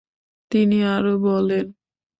তিনি আরো বলেন